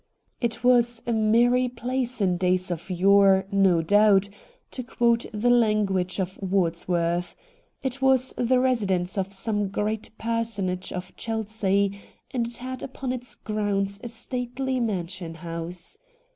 ' It was a merry place in days of yore,' no doubt, to quote the language of Wordsworth. It was the residence of some great personage of Chelsea, and it had upon its grounds a stately mansion house.